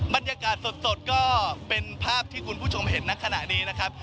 บรรยากาศสดก็เป็นภาพที่คุณผู้ชมเห็นณขณะนี้นะครับ